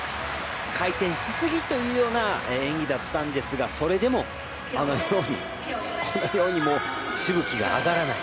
回転しすぎというような演技だったんですがそれでも、あのようにしぶきが上がらない。